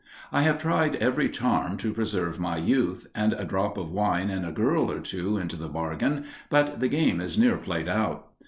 I have tried every charm to preserve my youth, and a drop of wine and a girl or two into the bargain, but the game is near played out.